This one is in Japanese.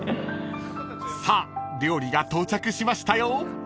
［さあ料理が到着しましたよ］